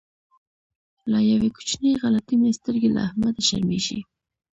له یوې کوچنۍ غلطۍ مې سترګې له احمده شرمېږي.